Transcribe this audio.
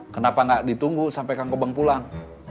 kenapa gak ditunggu sampai kang bobang pulang